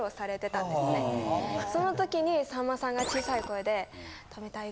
その時にさんまさんが小さい声で。